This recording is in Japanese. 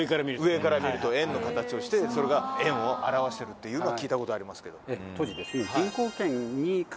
上から見ると円の形をしてそれが円を表してるっていうのは聞いたことありますけど。